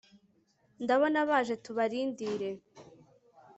ndabona baje tubarindire